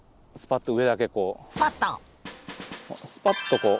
スパッとこう。